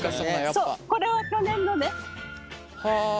そうこれは去年のね。